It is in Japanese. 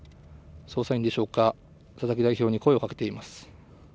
捜査員でしょうか、佐々木代表に声をかけています。